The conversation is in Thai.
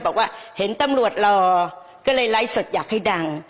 บอกว่าเห็นตำรวจรอก็เลยไลฟ์สดอยากให้ดัง